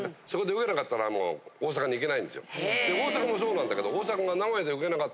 大阪もそうなんだけど。